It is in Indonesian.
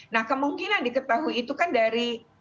nah kemungkinan diketahui itu kan dari